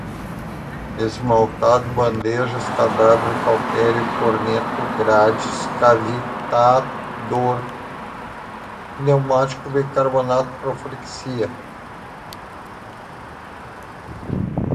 esmaltado, bandejas, cadáver, cautério, corneto, grades, cavitador pneumático, bicarbonato, profilaxia